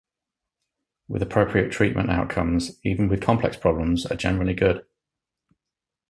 With appropriate treatment outcomes, even with complex problems, are generally good.